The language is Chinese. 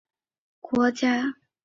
英国是最早建造铁路的国家。